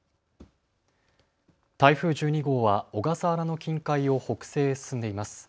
台風１２号は小笠原の近海を北西へ進んでいます。